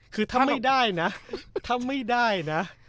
คือถ้าไม่ได้นะ